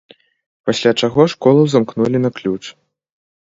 Пасля чаго школу замкнулі на ключ.